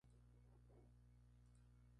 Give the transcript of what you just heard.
Entre sus obras destacan "¡Ay, mis ancestros!